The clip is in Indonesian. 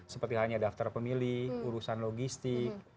seperti halnya daftar pemilih urusan logistik